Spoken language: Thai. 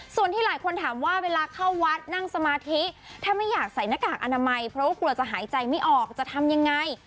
ส่วนที่หลายคนถามว่าเวลาเข้าวัดนั่งสมาธิถ้าไม่อยากใส่หน้ากากอนามัยเพราะว่ากลัวจะหายใจไม่ออกจะทำยังไง